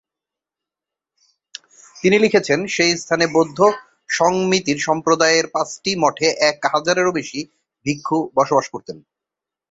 তিনি লিখেছেন, সেই স্থানে বৌদ্ধ সংমিতীয় সম্প্রদায়ের পাঁচটি মঠে এক হাজারেরও বেশি ভিক্ষু বসবাস করতেন।